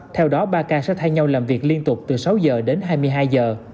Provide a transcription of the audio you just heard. theo đó ba ca sẽ thay nhau làm việc liên tục từ sáu giờ đến hai mươi hai giờ